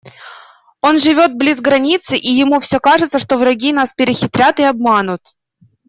Он живет близ границы, и ему все кажется, что враги нас перехитрят и обманут.